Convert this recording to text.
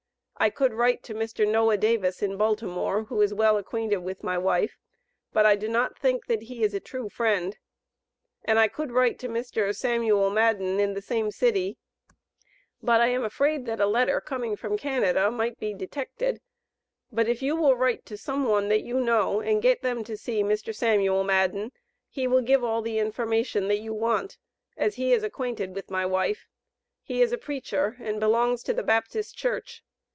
I could write to Mr Noah davis in Baltimore, who is well acquanted with my wife, but I do not think that he is a trew frend, and I could writ to Mr Samual Maden in the same city, but I am afread that a letter coming from cannada might be dedteced, but if you will writ to soume one that you know, and gait them to see Mr Samual Maden he will give all the information that you want, as he is acquanted with my wife, he is a preacher and belongs to the Baptis church.